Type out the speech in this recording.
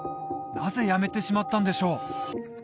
なぜやめてしまったんでしょう？